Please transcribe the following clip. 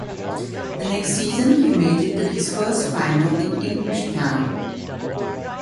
The next season, he made it to his first final in Englishtown.